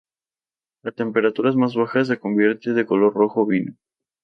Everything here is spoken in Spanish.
A temperaturas más bajas, se convierte de color rojo vino.